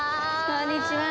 こんにちは。